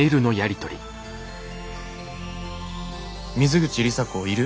「水口里紗子いる？